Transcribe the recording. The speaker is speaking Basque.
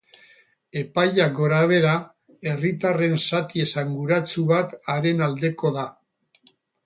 Epaiak gorabehera, herritarren zati esanguratsu bat haren aldeko da.